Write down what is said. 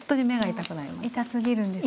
痛すぎるんですね。